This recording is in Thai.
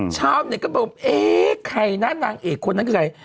ชาวเน็ตก็บอกเอ๊ะใครนะนางเอกคนนั้นคือใคร